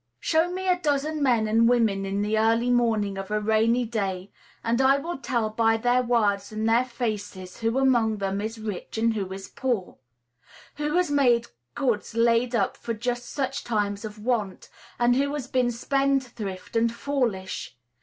Show me a dozen men and women in the early morning of a rainy day, and I will tell by their words and their faces who among them is rich and who is poor, who has much goods laid up for just such times of want, and who has been spend thrift and foolish.